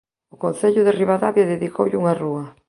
O concello de Ribadavia dedicoulle unha rúa.